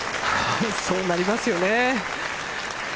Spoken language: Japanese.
そうなりますよね。